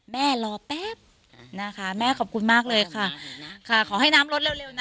แม่รอแป๊บนะคะแม่ขอบคุณมากเลยค่ะค่ะขอให้น้ำรถเร็วเร็วน่ะ